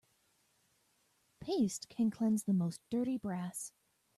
Paste can cleanse the most dirty brass.